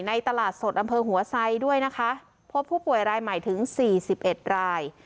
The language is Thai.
ในตลาดสดอำเภอหัวไซด์ด้วยนะคะพบผู้ป่วยรายใหม่ถึงสี่สิบเอ็ดราย